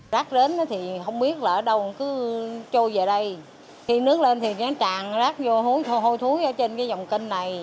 rác đến thì không biết là ở đâu cứ trôi về đây khi nước lên thì nó tràn rác vô hôi thối ở trên cái dòng kênh này